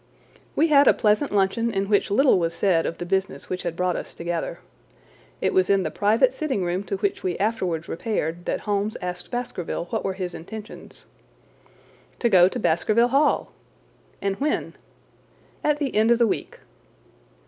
We had a pleasant luncheon in which little was said of the business which had brought us together. It was in the private sitting room to which we afterwards repaired that Holmes asked Baskerville what were his intentions. "To go to Baskerville Hall." "And when?" "At the end of the week."